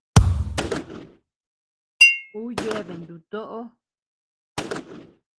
Ú yeabea nutóʼo.